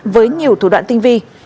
với nhiều thủ đoạn tinh vi